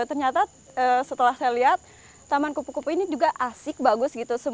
ternyata setelah saya lihat taman kupu kupu ini juga asik bagus gitu